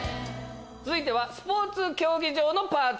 続いてはスポーツ競技場のパーツ